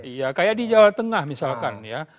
iya kayak di jawa tengah misalkan ya